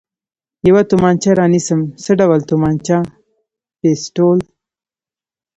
یوه تومانچه را نیسم، څه ډول تومانچه؟ پېسټول.